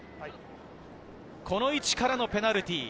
この位置からのペナルティー。